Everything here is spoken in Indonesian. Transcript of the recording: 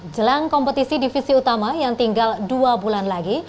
jelang kompetisi divisi utama yang tinggal dua bulan lagi